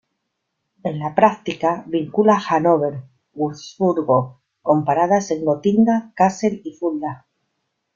En la práctica vincula Hannover y Wurzburgo con paradas en Gotinga, Kassel y Fulda.